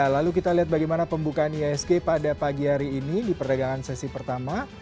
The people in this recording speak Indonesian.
lalu kita lihat bagaimana pembukaan isg pada pagi hari ini di perdagangan sesi pertama